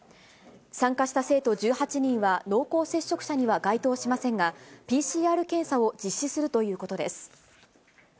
参加した生徒１８人は、濃厚接触者には該当しませんが、ＰＣＲ検査を実施するということです。